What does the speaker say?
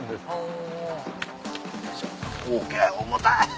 重たい。